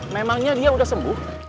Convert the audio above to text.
memangnya dia udah sembuh